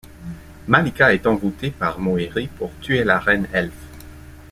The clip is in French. Malika est envouté par Moérie pour tuer la reine Elfe.